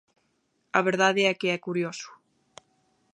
A verdade é que é curioso.